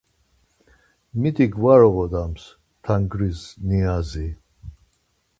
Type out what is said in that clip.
Mitik var oğodams tangris niazi